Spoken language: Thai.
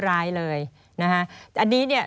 อันนี้เนี่ย